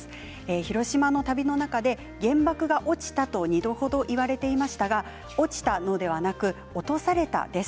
広島の旅の中で原爆が落ちたと２度程言われていましたが落ちたのではなく落とされたんです。